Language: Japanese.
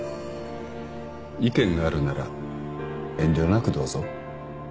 意見があるなら遠慮なくどうぞ。